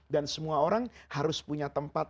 dan semua orang harus punya tempat